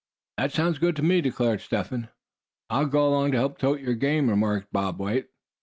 "That sounds good to me," declared Step Hen. "I'll go along to help tote your game," remarked Bob White.